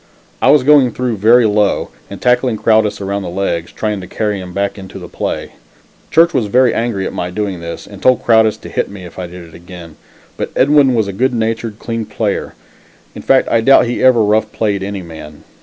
I was going through very low and tackling Crowdis around the legs, trying to carry him back into the play. Church was very angry at my doing this, and told Crowdis to hit me, if I did it again, but Edwin was a good natured, clean player; in fact, I doubt if he ever rough played any man.